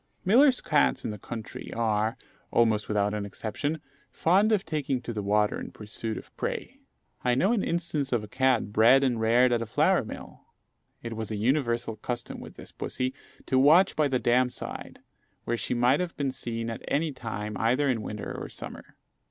Millers' cats in the country are, almost without exception, fond of taking to the water in pursuit of prey. I know an instance of a cat bred and reared at a flour mill: it was a universal custom with this pussy to watch by the dam side, where she might have been seen at any time either in winter or summer.